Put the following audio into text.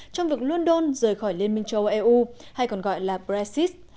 trong việc london rời khỏi liên minh châu âu eu hay còn gọi là brexit